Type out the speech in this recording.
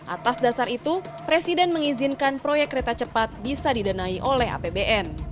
atas dasar itu presiden mengizinkan proyek kereta cepat bisa didanai oleh apbn